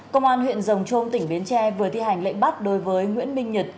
công an huyện rồng trôm tỉnh bến tre vừa thi hành lệnh bắt đối với nguyễn minh nhật